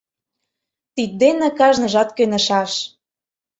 Тиддене кажныжат кӧнышаш.